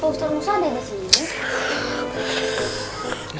ustadz musa ada disini